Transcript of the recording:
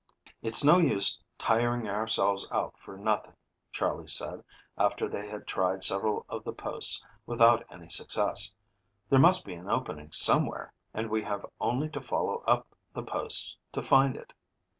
"It's no use tiring ourselves out for nothing," Charley said, after they had tried several of the posts without any success. "There must be an opening somewhere, and we have only to follow up the posts to find it."